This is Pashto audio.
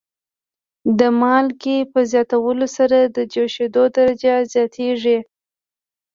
د مالګې په زیاتولو سره د جوشیدو درجه زیاتیږي.